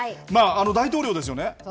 大統領ですよね。